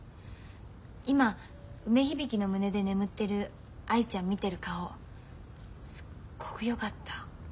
今梅響の胸で眠ってる藍ちゃん見てる顔すっごくよかった。